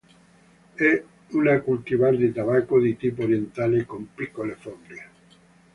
È una cultivar di tabacco di tipo orientale, con piccole foglie.